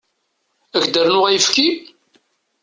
Ad ak-d-rnuɣ ayefki?